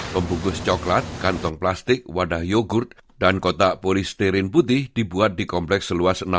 pembungkus coklat kantong plastik wadah yogurt dan kotak polisterin putih dibuat di kompleks seluas